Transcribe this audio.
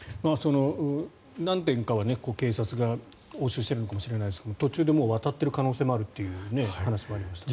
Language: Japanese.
何点かは警察が押収してるのかもしれないですが途中でもう渡っている可能性もあるという話もありますが。